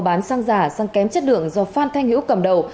bán xăng giả xăng kém chất lượng do phan thanh hữu cầm đầu